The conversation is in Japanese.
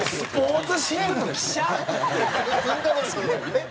えっ？